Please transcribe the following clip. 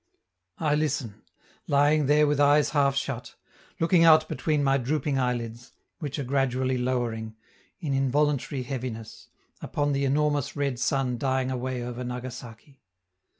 I listen, lying there with eyes half shut, looking out between my drooping eyelids, which are gradually lowering, in involuntary heaviness, upon the enormous red sun dying away over Nagasaki.